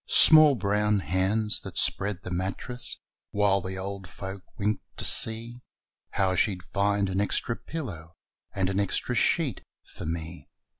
Small brown hands that spread the mattress, While the old folk winked to see How she'd find an extra pillow And an extra sheet for me.